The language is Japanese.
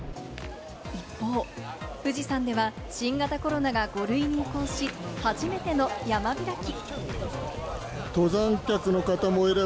一方、富士山では新型コロナが５類に移行し、初めての山開き。